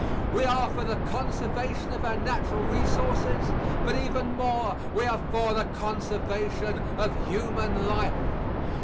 We are for the conservation of our natural resources; but even more we are for the conservation of human life.